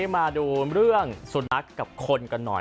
มาดูเรื่องสุนัขกับคนกันหน่อย